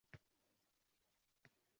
Bir so’z demay to’rt juft ko’z.